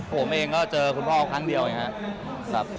ผมเองก็เจอคุณพ่อครั้งเดียวเองครับ